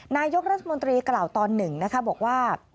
นายกรัฐมนตรีกล่าวตอนหนึ่งนะคะบอกว่า